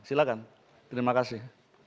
silakan terima kasih